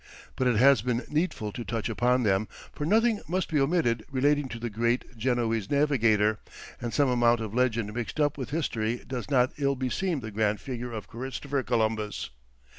But it has been needful to touch upon them, for nothing must be omitted relating to the great Genoese Navigator, and some amount of legend mixed up with history does not ill beseem the grand figure of Christopher Columbus.